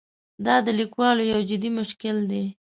دا د لیکوالو یو جدي مشکل دی.